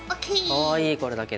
かわいいこれだけで。